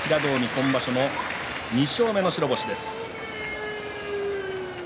今場所２勝目の白星です。